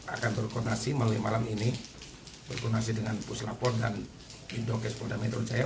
akan berkonasi malam ini berkonasi dengan puslapor dan indokes pondamitro jaya